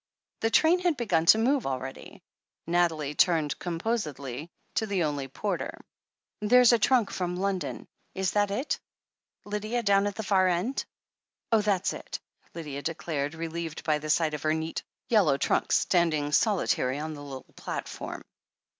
The train had begun to move already. Nathalie turned composedly to the only porter. "There's a tnmk from London. Is that it, Lydia, down at the far end ?" "That's it," Lydia declared, relieved by the sight of her neat yellow trunk, standing solitary on the little platform.